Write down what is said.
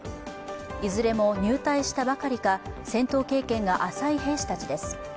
いずれも入隊したばかりか戦闘経験が浅い兵士たちです。